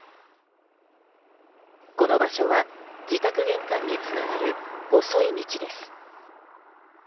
この場所は自宅玄関につながる細い道です。